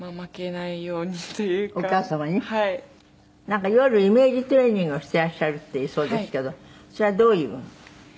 なんか夜イメージトレーニングをしていらっしゃるそうですけどそれはどういう？